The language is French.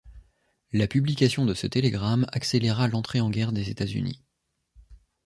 La publication de ce télégramme accéléra l'entrée en guerre des États-Unis.